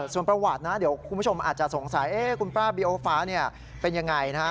ส่วนประวัตินะเดี๋ยวคุณผู้ชมอาจจะสงสัยคุณป้าบีโอฟ้าเป็นยังไงนะฮะ